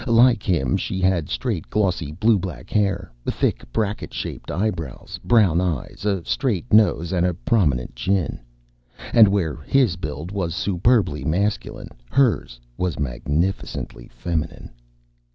Like him, she had straight glossy blue black hair, thick bracket shaped eyebrows, brown eyes, a straight nose and a prominent chin. And where his build was superbly masculine, hers was magnificently feminine.